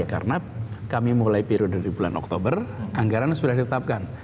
karena kami mulai periode di bulan oktober anggaran sudah ditetapkan